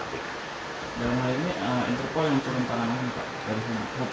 dan lainnya interpol yang mencari tangkapan pak